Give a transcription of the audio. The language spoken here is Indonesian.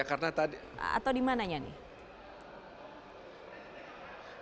atau dimananya nih